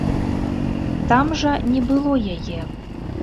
Там жа не было яе.